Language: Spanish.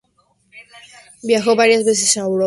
Viajó varias veces por Europa, en cursos de perfeccionamiento.